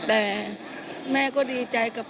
แต่แม่ก็ดีใจกับ